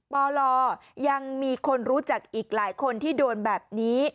ปลยังมีคนรู้จักอีกหลายคนที่โดนแบบนี้